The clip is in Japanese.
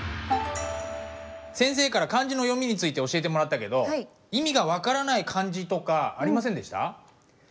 先生から漢字の読みについて教えてもらったけど意味が分からない漢字とかありませんでした？